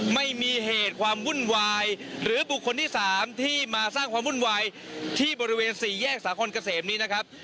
ไม่มีเหตุความวุ่นวายหรือบุคคลที่๓ที่มาสร้างความวุ่นวายที่บริเวณสี่แยกสาคอนเกษมนี้นะครับ